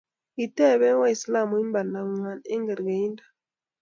Kitebe waislamu imandangwany ak kerkeindo